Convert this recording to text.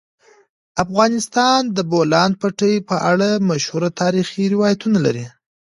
افغانستان د د بولان پټي په اړه مشهور تاریخی روایتونه لري.